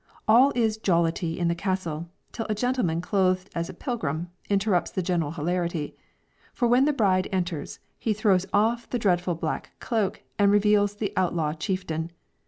All is jollity in the castle, till a gentleman clothed as a pilgrim, interrupts the general hilarity; for when the bride enters, he throws off the dreadful black cloak and reveals the outlaw chieftain.